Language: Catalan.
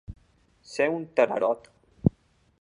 Ser un tararot.